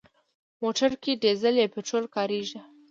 موټر کې ډيزل یا پټرول کارېږي.